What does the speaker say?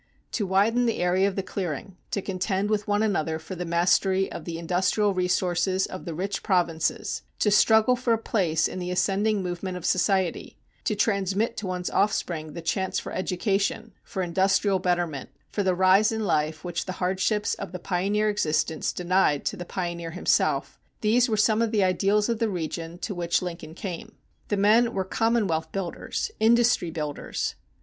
To widen the area of the clearing, to contend with one another for the mastery of the industrial resources of the rich provinces, to struggle for a place in the ascending movement of society, to transmit to one's offspring the chance for education, for industrial betterment, for the rise in life which the hardships of the pioneer existence denied to the pioneer himself, these were some of the ideals of the region to which Lincoln came. The men were commonwealth builders, industry builders.